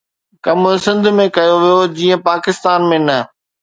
ڪم سنڌ ۾ ڪيو ويو جيئن پاڪستان ۾ نه